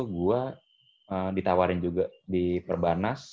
gue ditawarin juga di perbanas